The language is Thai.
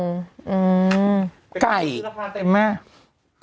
ราคาเต็มมาก